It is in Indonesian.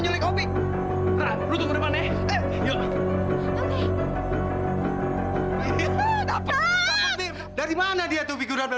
lo jangan laden dia ya